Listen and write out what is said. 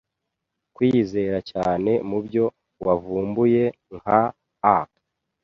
kwizera cyane mubyo wavumbuye, nka a